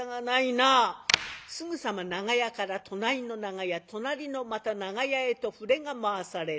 すぐさま長屋から隣の長屋隣のまた長屋へと触れが回される。